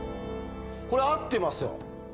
これ合ってますよ。